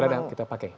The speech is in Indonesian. berada kita pakai